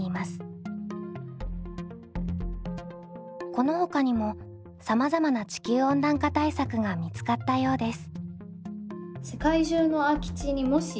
このほかにもさまざまな地球温暖化対策が見つかったようです。